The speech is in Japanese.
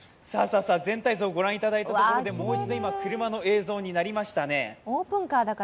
全体像をご覧いただいたところでもう一度、車の映像になりましたね